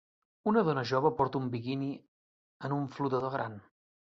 Una dona jove porta un biquini en un flotador gran.